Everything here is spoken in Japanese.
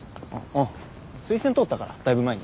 うん推薦通ったからだいぶ前に。